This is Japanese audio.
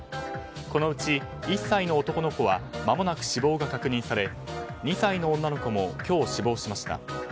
このうち１歳の男の子はまもなく死亡が確認され２歳の女の子も今日死亡しました。